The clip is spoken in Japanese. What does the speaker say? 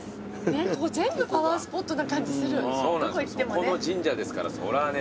そこの神社ですからそりゃね。